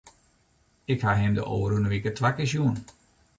Ik ha him de ôfrûne wike twa kear sjoen.